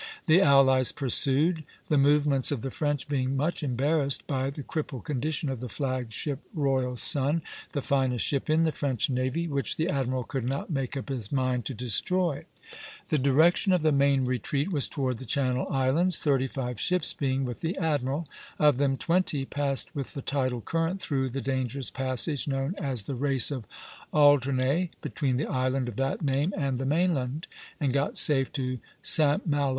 The allies pursued, the movements of the French being much embarrassed by the crippled condition of the flag ship "Royal Sun," the finest ship in the French navy, which the admiral could not make up his mind to destroy. The direction of the main retreat was toward the Channel Islands, thirty five ships being with the admiral; of them twenty passed with the tidal current through the dangerous passage known as the Race of Alderney, between the island of that name and the mainland, and got safe to St. Malo.